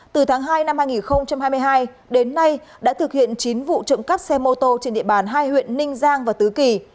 từ tháng hai năm hai nghìn hai mươi hai đến nay đã thực hiện chín vụ trộm cắp xe mô tô trên địa bàn hai huyện ninh giang và tứ kỳ